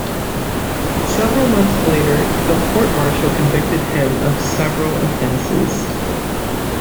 Several months later, a court martial convicted him of several offenses.